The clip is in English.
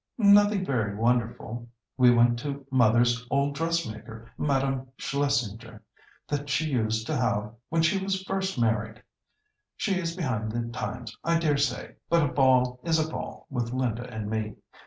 "Nothing very wonderful. We went to mother's old dressmaker, Madame Schlesinger, that she used to have when she was first married. She is behind the times, I dare say, but a ball is a ball with Linda and me.